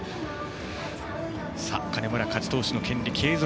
金村、勝ち投手の権利継続。